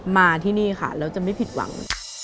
มาที่นี่ค่ะแล้วจะไม่ผิดหวัง